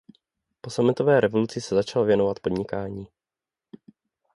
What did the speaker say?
Po sametové revoluci se začal věnoval podnikání.